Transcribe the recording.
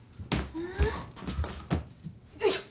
ん？よいしょ。